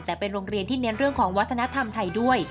แต่เป็นโรงเรียนที่เน้นเรื่องของวัฒนธรรมไทยด้วย